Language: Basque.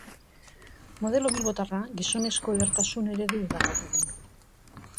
Modelo bilbotarra gizonezko edertasun eredu da gaur egun.